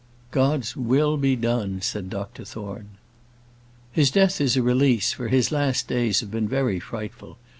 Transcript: "God's will be done!" said Dr Thorne. "His death is a release; for his last days have been very frightful.